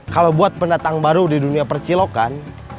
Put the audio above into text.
kalau buat pendatang baru di dunia percilokan